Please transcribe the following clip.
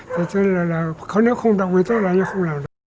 thế cho là khó nếu không động viên tốt là anh em không làm được